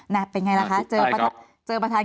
แดบเป็นไงล่ะใช่ครับ